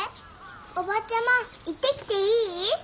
伯母ちゃま行ってきていい？